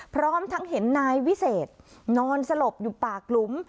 พร้อมทั้งเห็นนายวิเศษนอนสลบอยู่ปากหลุม